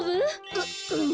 ううん。